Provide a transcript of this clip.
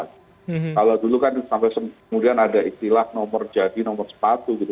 kalau dulu kan sampai kemudian ada istilah nomor jadi nomor sepatu gitu